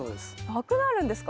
なくなるんですか？